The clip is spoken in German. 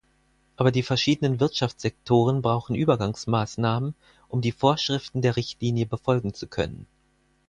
Aber die verschiedenen Wirtschaftssektoren brauchen Übergangsmaßnahmen, um die Vorschriften der Richtlinie befolgen zu können.